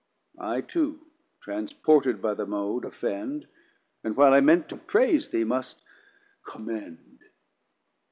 I too transported by the Mode offend, And while I meant to Praise thee must Commend.